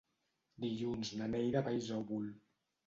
Dilluns na Neida va a Isòvol.